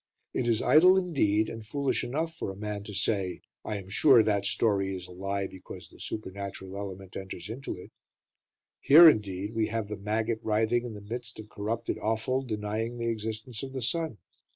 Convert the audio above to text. It is idle, indeed, and foolish enough for a man to say: "I am sure that story is a lie, because the supernatural element enters into it;" here, indeed, we have the maggot writhing in the midst of corrupted offal denying the existence of the sun.